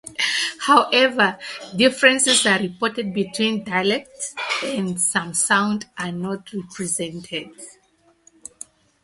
However, differences are reported between dialects, and some sounds are not represented.